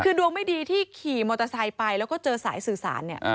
คือดวงไม่ดีที่ขี่มอเตอร์ไซค์ไปแล้วก็เจอสายสื่อสารเนี่ย